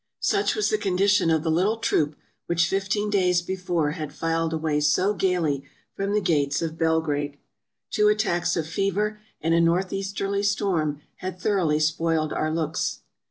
Such was the condition of the little troop which fifteen days before had filed away so gayly from the gates of Bel grade. Two attacks of fever and a northeasterly storm had thoroughly spoiled our looks.